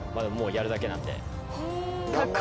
やるだけなんで。